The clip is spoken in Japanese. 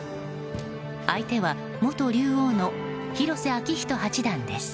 相手は元竜王の広瀬章人八段です。